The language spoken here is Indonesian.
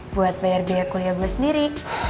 buat bayar biaya kuliah gue sendiri